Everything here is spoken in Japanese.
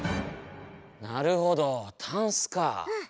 なるほど「タンス」か。